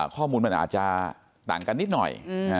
ข้อมูลมันอาจจะต่างกันนิดหน่อย